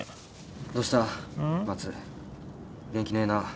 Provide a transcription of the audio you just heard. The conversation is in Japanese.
元気ねえな。